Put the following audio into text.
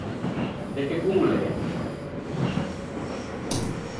De che cô o l’é?